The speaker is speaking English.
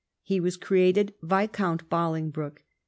He was created Viscount Bolidgbroke.